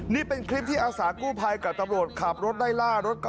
นี่เป็นคลิปที่อาสากู้ภัยกับตำรวจขาบรถได้ล่า